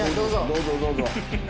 どうぞどうぞ。